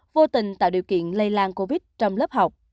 vô tình tạo điều kiện lây lan covid trong lớp học